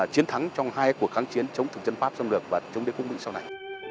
chiến thắng trong hai cuộc kháng chiến chống thực dân pháp xâm lược và chống đế quốc mỹ sau này